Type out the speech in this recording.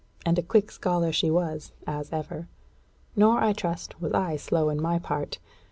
And a quick scholar she was, as ever. Nor, I trust, was I slow in my part.